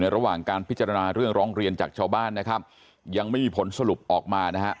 ระหว่างการพิจารณาเรื่องร้องเรียนจากชาวบ้านนะครับยังไม่มีผลสรุปออกมานะฮะ